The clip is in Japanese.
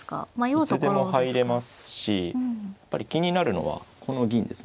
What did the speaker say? いつでも入れますしやっぱり気になるのはこの銀ですね。